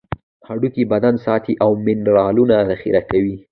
هډوکي بدن ساتي او منرالونه ذخیره کوي.